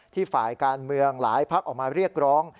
ฝ่ายการเมืองหลายพักออกมาเรียกร้อง